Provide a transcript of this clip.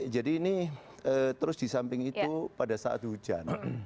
jadi ini terus disamping itu pada saat hujan